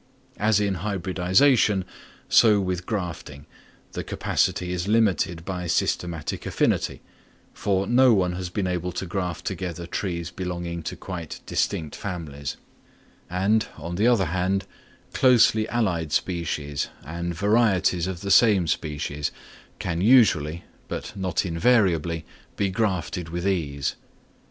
As in hybridisation, so with grafting, the capacity is limited by systematic affinity, for no one has been able to graft together trees belonging to quite distinct families; and, on the other hand, closely allied species and varieties of the same species, can usually, but not invariably, be grafted with ease.